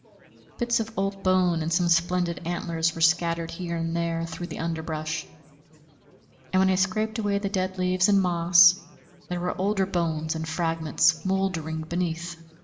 Bits of old bone and some splendid antlers were scattered here and there through the underbrush; and when I scraped away the dead leaves and moss, there were older bones and fragments mouldering beneath.